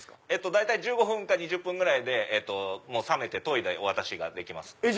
大体１５分か２０分ぐらいで冷めて研いでお渡しができます。